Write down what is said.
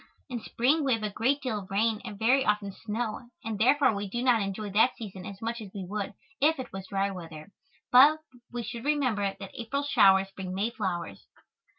In spring we have a great deal of rain and very often snow and therefore we do not enjoy that season as much as we would if it was dry weather, but we should remember that April showers bring May flowers.